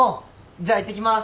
じゃあいってきます。